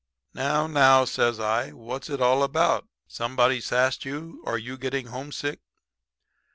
"'Now, now,' says I, 'what's it all about? Somebody sassed you or you getting homesick?'